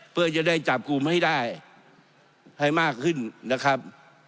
เพื่อจะได้จับกลุ่มให้ได้ให้มากขึ้นนะครับ